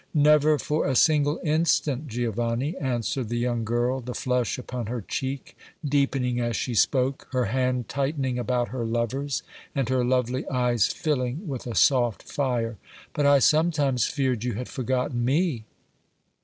"Never for a single instant, Giovanni," answered the young girl, the flush upon her cheek deepening as she spoke, her hand tightening about her lover's and her lovely eyes filling with a soft fire. "But I sometimes feared you had forgotten me!"